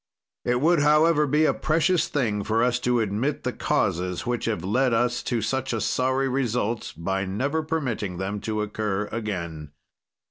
"It would, however, be a precious thing for us to admit the causes which have led us to such a sorry result, by never permitting them to occur again.